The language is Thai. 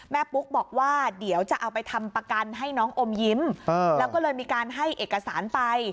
ปุ๊กบอกว่าเดี๋ยวจะเอาไปทำประกันให้น้องอมยิ้มแล้วก็เลยมีการให้เอกสารไป